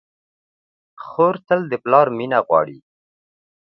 خور تل د پلار مینه غواړي.